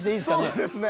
そうですね。